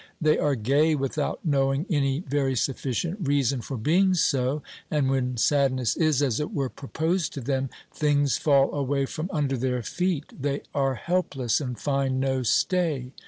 They are gay without knowing any very sufficient reason for being so, and when sadness is, as it were, proposed to them, things fall away from under their feet, they are helpless and find no stay.